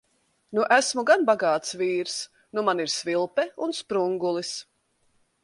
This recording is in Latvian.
Nu esmu gan bagāts vīrs. Nu man ir svilpe un sprungulis!